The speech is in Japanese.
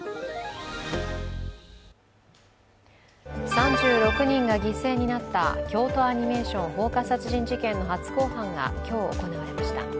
３６人が犠牲になった京都アニメーション放火殺人事件の初公判が今日、行われました。